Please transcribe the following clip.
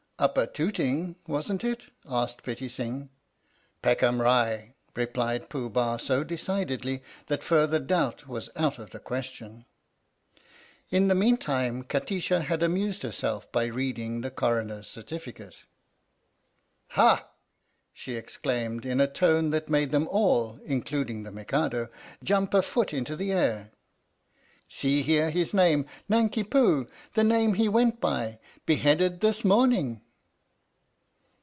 " Upper Tooting, wasn't it?" asked Pitti Sing. " Peckham Rye/' replied Pooh Bah so decidedly that further doubt was out of the question. In the meantime Kati sha had amused herself by reading the Coroner's certificate. " Ha!" she exclaimed in a tone that made them all (including the Mikado) jump a foot into the air. "See here his name Nanki Poo the name he went by beheaded this morning